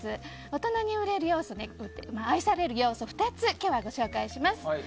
大人に売れる要素愛される要素２つ今日はご紹介します。